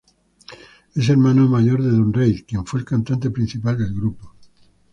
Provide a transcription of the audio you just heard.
Es hermano mayor de Don Reid, quien fue el cantante principal del grupo.